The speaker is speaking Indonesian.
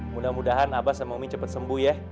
mudah mudahan abah sama omik cepat sembuh ya